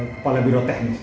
kepala biro teknis